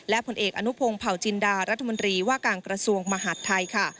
และผลเอกอนุพงศ์เผาจินดารัฐมนตรีว่าการกระทรวงมหาดไทยค่ะ